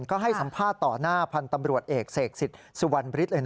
ก็ให้สัมภาษณ์ต่อหน้าพันธ์ตำรวจเอกเสกสิทธิ์สุวรรณฤทธิ์